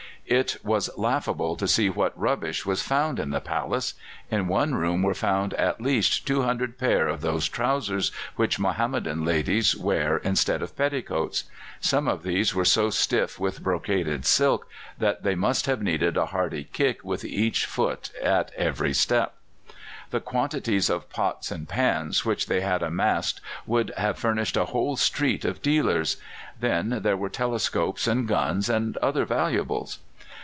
It was laughable to see what rubbish was found in the palace. In one room were found at least 200 pair of those trousers which Mohammedan ladies wear instead of petticoats. Some of these were so stiff with brocaded silk that they must have needed a hearty kick with each foot at every step. The quantities of pots and pans which they had amassed would have furnished a whole street of dealers; then, there were telescopes and guns and other valuables.